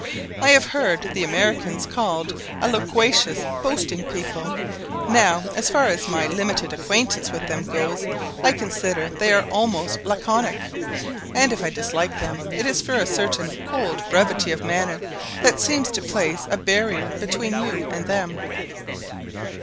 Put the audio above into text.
I have heard the Americans called a loquacious boasting people; now, as far as my limited acquaintance with them goes, I consider they are almost laconic, and if I dislike them it is for a certain cold brevity of manner that seems to place a barrier between you and them.